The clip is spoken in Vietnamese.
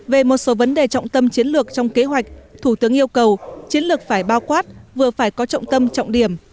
về một số vấn đề trọng tâm chiến lược trong kế hoạch thủ tướng yêu cầu chiến lược phải bao quát vừa phải có trọng tâm trọng điểm